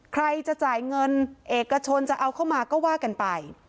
ใครจะจ่ายเงินเอกชนจะเอาเข้ามาก็ว่ากันไป